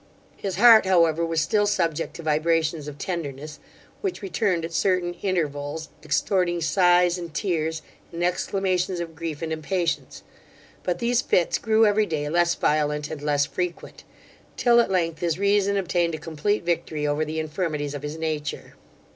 His heart, however, was still subject to vibrations of tenderness, which returned at certain intervals, extorting sighs, and tears, and exclamations of grief and impatience: but these fits grew every day less violent and less frequent, 'till at length his reason obtained a complete victory over the infirmities of his nature.